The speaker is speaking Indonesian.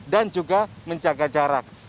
dan juga menjaga jarak